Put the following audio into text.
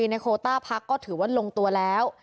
รัฐมนตรีในโคต้าพักก็ถือว่าลงตัวแล้ว